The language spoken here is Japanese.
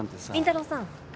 凛太郎さん。